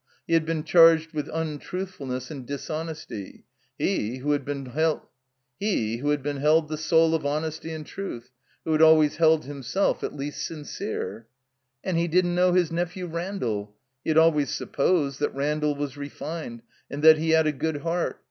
He hac been charged with untruthfuhiess and dishonesty J he, who had been held the sotd of hon esty and ti.jth; who had always held himself at least sincere. And he didn't know his nephew Randall. He had always supposed that Randall was refined and that he had a good heart.